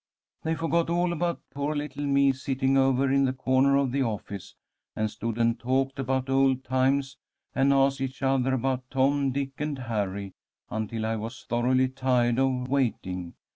"'They forgot all about poor little me, sitting over in the corner of the office, and stood and talked about old times, and asked each other about Tom, Dick, and Harry, until I was thoroughly tired of waiting.